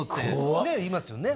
ねえ言いますよね？